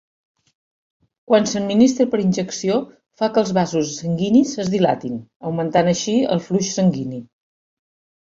Quan s'administra per injecció fa que els vasos sanguinis es dilatin, augmentant així el flux sanguini.